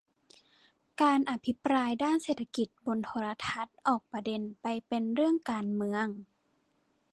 การอภิปรายด้านเศรษฐกิจบนโทรทัศน์ออกประเด็นไปเป็นเรื่องการเมือง